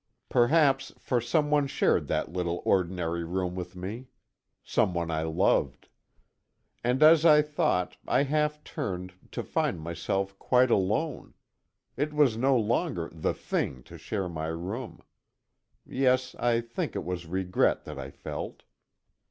Perhaps, for some one shared that little ordinary room with me. Some one I loved. And as I thought, I half turned, to find myself quite alone it was no longer "the thing" to share my room. Yes, I think it was regret that I felt.